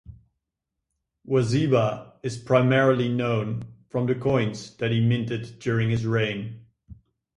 Wazeba is primarily known from the coins that he minted during his reign.